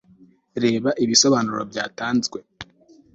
reba ibisobanuro byatanzwe